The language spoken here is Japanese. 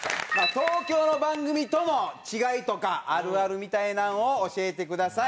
東京の番組との違いとかあるあるみたいなのを教えてください。